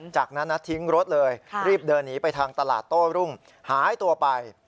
จากนั้นทิ้งรถเลยรีบเดินหนีไปทางตลาดโต้รุ่งหายตัวไป